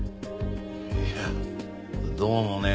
いやどうもね